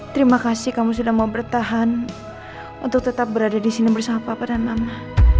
terima kasih kamu sudah mau bertahan untuk tetap berada di sini bersama papa dan mama